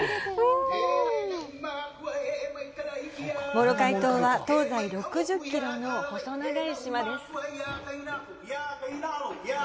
モロカイ島は東西６０キロの細長い島です。